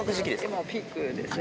今、ピークですね。